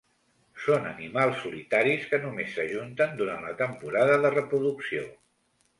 Són animals solitaris que només s'ajunten durant la temporada de reproducció.